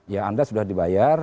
ya anda sudah dibayar